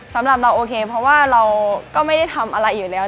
สำหรับเราโอเคเพราะว่าเราก็ไม่ได้ทำอะไรอยู่แล้ว